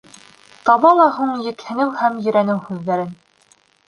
Таба ла һуң екһенеү һәм ерәнеү һүҙҙәрен!